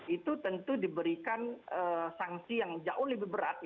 itu tentu diberikan sanksi yang jauh lebih berat